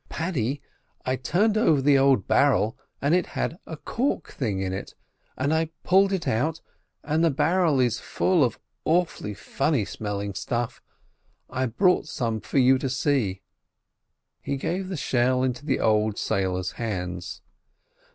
"Paddy, I turned over the old barrel and it had a cork thing in it, and I pulled it out, and the barrel is full of awfully funny smelling stuff—I've brought some for you to see." He gave the shell into the old sailor's hands.